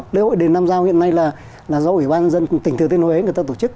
lễ hội đền nam giao hiện nay là do ủy ban dân tỉnh thừa tên huế người ta tổ chức